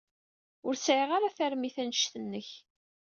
Ur sɛiɣ ara tarmit anect-nnek.